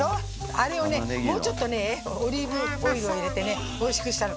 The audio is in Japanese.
あれをねもうちょっとねオリーブオイルを入れてねおいしくしたの。